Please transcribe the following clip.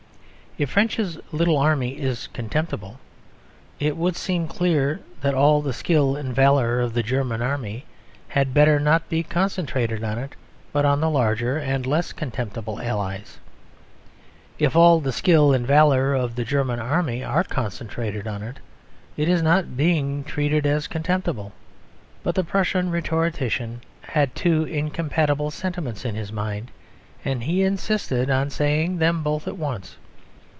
If French's little Army is contemptible, it would seem clear that all the skill and valour of the German Army had better not be concentrated on it, but on the larger and less contemptible allies. If all the skill and valour of the German Army are concentrated on it, it is not being treated as contemptible. But the Prussian rhetorician had two incompatible sentiments in his mind; and he insisted on saying them both at once.